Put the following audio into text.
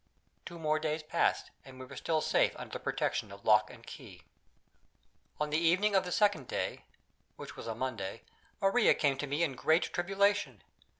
Two more days passed, and we were still safe under the protection of lock and key. On the evening of the second day (which was a Monday) Maria came to me in great tribulation.